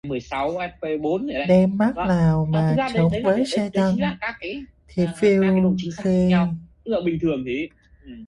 Đem mác lào mà chống với xe tăng, thiệt phiêu khê